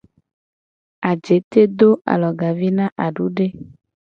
Ajete do alogavi na adude.